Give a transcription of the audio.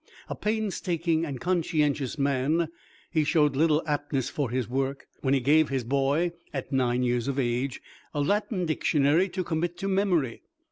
A painstaking and conscientious man, he showed little aptness for his work, when he gave his boy, at nine years of age, a Latin dictionary to commit to memory!